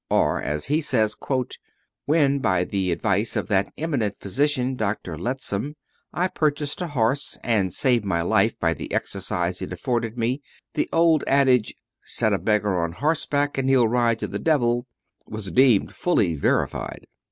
Or, as he says: "When by the advice of that eminent physician, Dr. Lettsom, I purchased a horse, and saved my life by the exercise it afforded me, the old adage, 'Set a beggar on horseback and he'll ride to the devil,' was deemed fully verified."